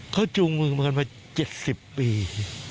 เขาจูงมือมากันมา๗๐ปี